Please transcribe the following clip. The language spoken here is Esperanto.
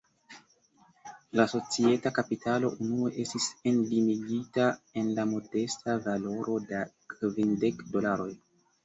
La societa kapitalo, unue estis enlimigita en la modesta valoro da kvindek dolaroj.